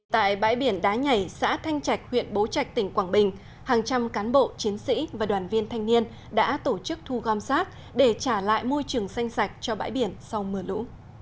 tại bãi biển đá nhảy xã thanh trạch huyện bố trạch tỉnh quảng bình hàng trăm cán bộ chiến sĩ và đoàn viên thanh niên đã tổ chức thu gom rác để trả lại môi trường xanh sạch cho bãi biển sau mưa lũ